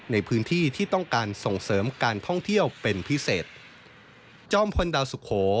ในพื้นที่ที่ต้องการส่งเสริมการท่องเที่ยวเป็นพิเศษจอมพลดาวสุโข